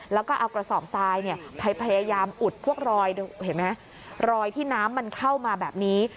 แล้วก็เอากระสอบทรายพยายามอุดพวกรอยเห็นไหมรอยที่น้ำมันเข้ามาแบบนี้